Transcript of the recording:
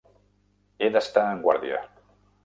He d'estar en guàrdia!